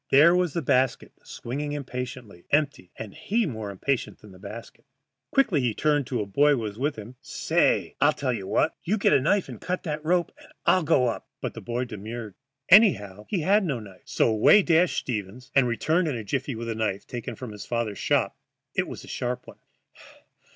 There was the basket swinging impatiently, empty, and he more impatient than the basket. Quickly he turned to a boy who was with him. "Say, I'll tell you what. You get a knife and cut that rope, and I'll go up." But the boy demurred. Anyhow, he had no knife. So away dashed Stevens, and returned in a jiffy with a knife, taken from his father's shop. It was a sharp one.